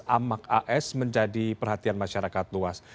amak as menjadi perhatian masyarakat luas